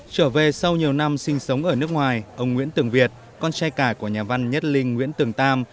trở về sau nhiều năm sinh sống ở nước ngoài ông nguyễn tường việt con trai cải của nhà văn nhất linh nguyễn tường tam